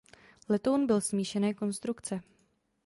Letoun byl smíšené konstrukce.